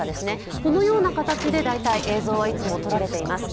このような形で映像はいつも撮られています。